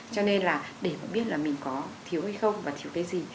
cho nên là để mà biết là mình có thiếu hay không và thiếu cái gì